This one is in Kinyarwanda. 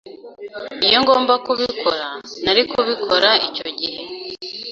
Iyo ngomba kubikora, nari kubikora icyo gihe.